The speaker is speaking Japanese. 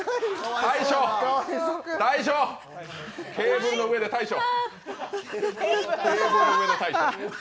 大昇、ケーブルの上の大昇。